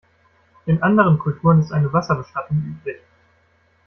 In anderen Kulturen ist eine Wasserbestattung üblich.